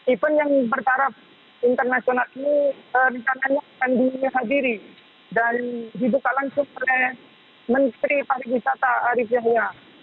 event yang bertaraf internasional ini rencananya akan dihadiri dan dibuka langsung oleh menteri pariwisata arief yahya